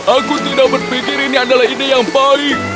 aku tidak berpikir ini adalah ide yang baik